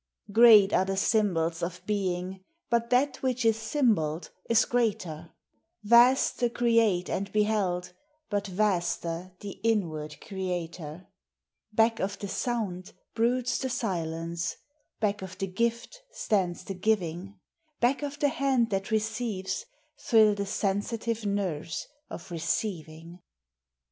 Great are the symbols of being, but that which is symboled is greater ; Vast the create and beheld, but vaster the inward creator ; THOUGHT: POETRY: BOOKS. 333 Back of the sound broods the silence, back of the gift stands the giving ; Back of the hand that receives thrill the sensitive nerves of receiving.